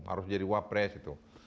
harus jadi wapres gitu